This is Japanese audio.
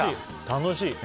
楽しい。